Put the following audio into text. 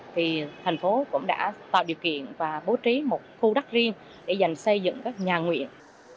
thì thành phố cũng đã tạo điều kiện và bố trí một khu đắc riêng để dành xây dựng các nhà nguyện